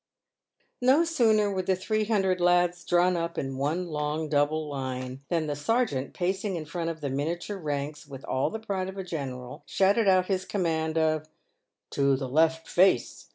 No sooner were the three hundred lads drawn up in one long, double line, than the sergeant, pacing in front of the miniature ranks, with all the pride of a general, shouted out his command of " To the left face